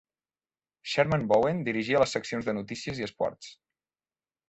Sherman Bowen dirigia les seccions de notícies i esports.